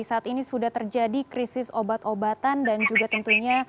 saat ini sudah terjadi krisis obat obatan dan juga tentunya